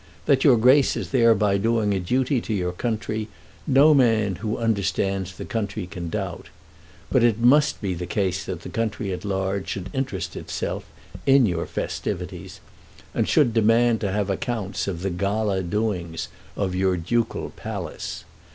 That your Grace is thereby doing a duty to your country no man who understands the country can doubt. But it must be the case that the country at large should interest itself in your festivities, and should demand to have accounts of the gala doings of your ducal palace.